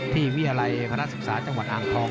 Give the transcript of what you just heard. ที่วิทยาลัยพระราชศึกษาจังหวันอ่างทอง